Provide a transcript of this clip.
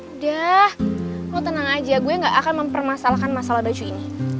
udah aku tenang aja gue gak akan mempermasalahkan masalah baju ini